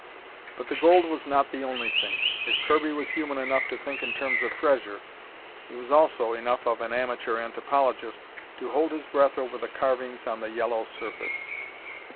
But the gold was not the only thing. If Kirby was human enough to think in terms of treasure, he was also enough of an amateur anthropologist to hold his breath over the carvings on the yellow surface.